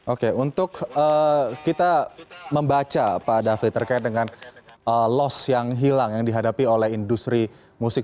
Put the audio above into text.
oke untuk kita membaca pak david terkait dengan loss yang hilang yang dihadapi oleh industri musik